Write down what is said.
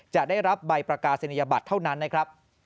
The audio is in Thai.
จะได้รับใบประกาศนียบัตรเท่านั้นนะครับ